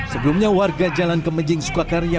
sebelumnya warga jalan kemejing suka karya